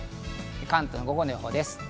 関東の午後の予報です。